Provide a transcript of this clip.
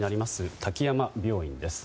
滝山病院です。